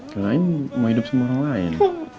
kalau lain mau hidup sama orang lain